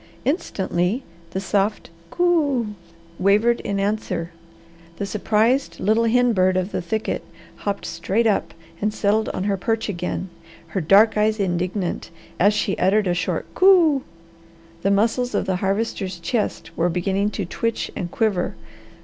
Instantly the soft "Coo!" wavered in answer. The surprised little hen bird of the thicket hopped straight up and settled on her perch again, her dark eyes indignant as she uttered a short "Coo!" The muscles of the Harvester's chest were beginning to twitch and quiver.